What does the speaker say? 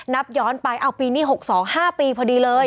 นับย้อนไปเอาปีนี้๖๒๕ปีพอดีเลย